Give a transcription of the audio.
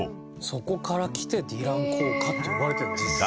そこからきてディラン効果って呼ばれてるんだ実際に。